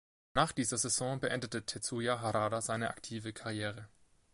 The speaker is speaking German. Nach dieser Saison beendete Tetsuya Harada seine aktive Karriere.